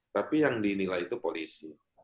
tapi yang dinilai itu polisi